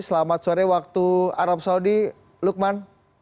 selamat sore waktu arab saudi lukman